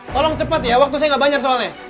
tolong cepat ya waktu saya gak banyak soalnya